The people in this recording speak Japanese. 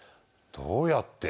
どうやって？